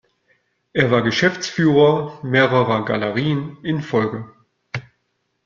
Er war Geschäftsführer mehrerer Galerien in Folge.